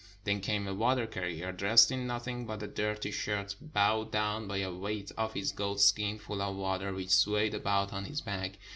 Then came a water carrier, dressed in nothing but a dirty shirt, bowled down by the weight of his goat skin full of water, which swayed about on his back.